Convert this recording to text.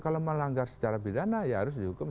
kalau melanggar secara pidana ya harus dihukum